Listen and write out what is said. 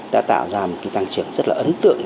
đã tạo ra một cái tăng trưởng rất là ấn tượng